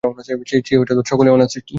ছি ছি, সকলই অনাসৃষ্টি!